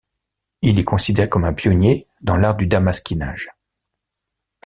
Il est considéré comme un pionnier dans l'art du damasquinage.